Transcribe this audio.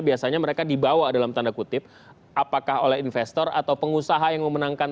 biasanya mereka dibawa dalam tanda kutip apakah oleh investor atau pengusaha yang memenangkan